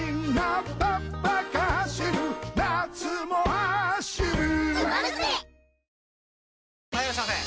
・はいいらっしゃいませ！